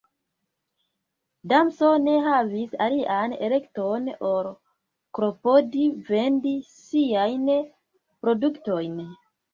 Damso ne havis alian elekton ol klopodi vendi siajn produktojn.